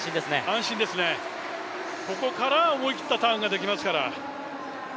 安心ですね、ここからは思い切ったターンができますから。